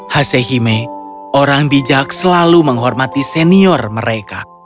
hasehime orang bijak selalu menghormati senior mereka